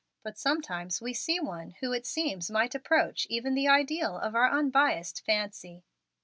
But sometimes we see one who it seems might approach even the ideal of our unbiased fancy."